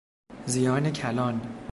زیان کلان